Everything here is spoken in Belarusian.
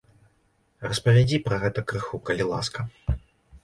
Распавядзі пра гэта крыху, калі ласка.